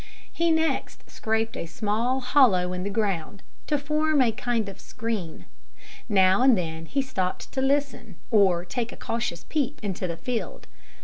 He next scraped a small hollow in the ground, to form a kind of screen. Now and then he stopped to listen, or take a cautious peep into the field.